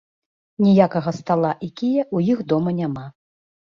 Ніякага стала і кія ў іх дома няма.